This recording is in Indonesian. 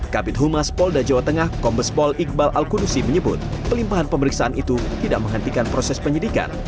kabit humas polda jawa tengah kombespol iqbal al kudusi menyebut pelimpahan pemeriksaan itu tidak menghentikan proses penyidikan